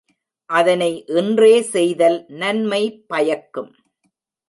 அதனை இன்றே செய்தல் நன்மை பயக்கும்.